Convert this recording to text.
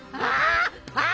ああ！